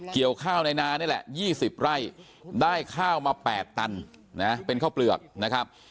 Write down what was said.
เกี่ยวข้าวในนานี่แหละ๒๐ไร่ได้ข้าวมา๘ตันนะเป็นข้าวเปลือกนะครับ